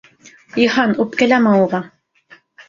Йыһан, үпкәләмә уға...